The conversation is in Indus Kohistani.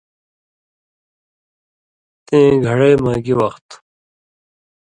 تِئیں گھڑَئی مہ گی وَخ تُھو؟